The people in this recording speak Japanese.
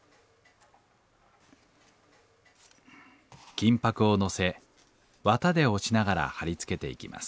金箔をのせ綿で押しながら貼り付けていきます。